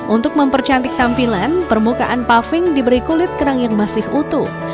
untuk mempercantik tampilan permukaan paving diberi kulit kerang yang masih utuh